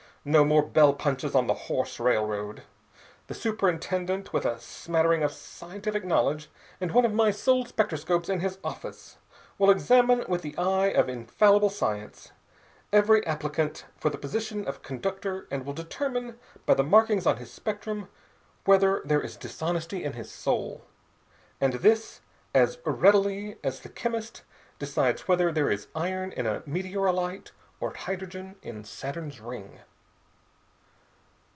No more bell punches on the horse railroad. The superintendent, with a smattering of scientific knowledge and one of my soul spectroscopes in his office, will examine with the eye of infallible science every applicant for the position of conductor and will determine by the markings on his spectrum whether there is dishonesty in his soul, and this as readily as the chemist decides whether there is iron in a meteorolite or hydrogen in Saturn's ring.